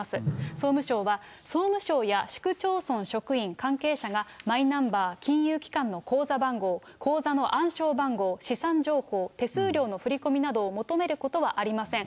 総務省は、総務省や市区町村職員、関係者が、マイナンバー、金融機関の口座番号、口座の暗証番号、資産情報、手数料の振り込みなどを求めることはありません。